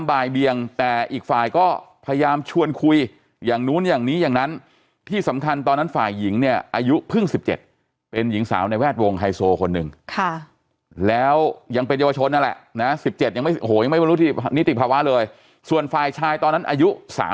แล้วยังเป็นเยาวชนนั่นแหละนะฮะ๑๗ยังไม่โอ้โหยังไม่บรรวดนี้ติดภาวะเลยส่วนฝ่ายชายตอนนั้นอายุ๓๑